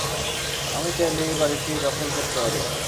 আমি চাইলে এই বাড়িটি দখল করতে পারি।